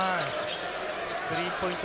スリーポイント